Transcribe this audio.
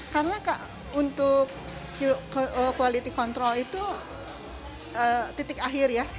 karena untuk kualiti kontrol itu titik akhir ya